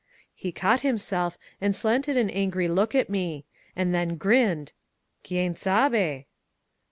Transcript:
He caught himself and slanted an angry look at me, and then grinned: Qa%en sabe.